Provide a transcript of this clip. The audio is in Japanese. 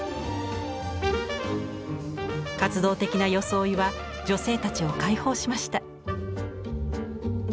活動的な装いは女性たちを解放しました。